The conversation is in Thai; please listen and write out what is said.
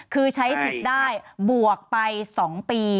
คือใช้สิทธิ์ได้บวกไป๒ปี